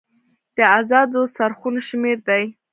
د ازادو څرخونو شمیر دی.